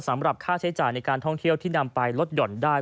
สำหรับค่าใช้จ่ายในการท่องเที่ยวที่นำไปลดหย่อนได้